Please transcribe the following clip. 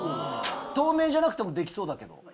透明じゃなくてもできそうだけど。